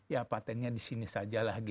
ya patentnya disini saja lagi